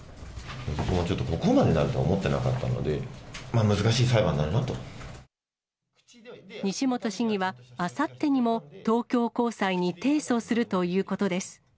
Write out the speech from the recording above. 僕もちょっとここまでなると思ってなかったので、難しい裁判にな西本市議は、あさってにも東京高裁に提訴するということです。